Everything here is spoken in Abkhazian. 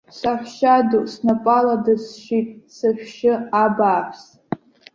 Саҳәшьаду снапала дысшьит, сышәшьы, абааԥс!